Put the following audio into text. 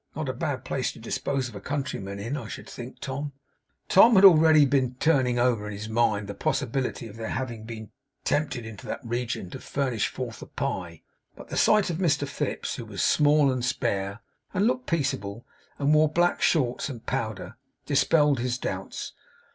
'Not a bad place to dispose of a countryman in, I should think, Tom.' Tom had been already turning over in his mind the possibility of their having been tempted into that region to furnish forth a pie; but the sight of Mr Fips, who was small and spare, and looked peaceable, and wore black shorts and powder, dispelled his doubts.